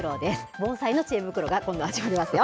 防災の知恵袋が今度は始まりますよ。